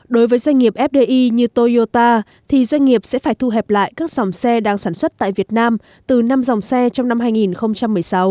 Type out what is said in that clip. đối với doanh nghiệp fdi như toyota thì doanh nghiệp sẽ phải thu hẹp lại các dòng xe đang sản xuất tại việt nam từ năm dòng xe trong năm hai nghìn một mươi sáu